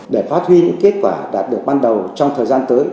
để phát huy những kết quả đạt được ban đầu trong thời gian tới